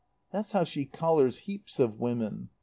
That's how she collars heaps of women.